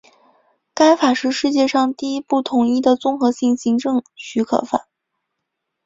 该法是世界上第一部统一的综合性行政许可法。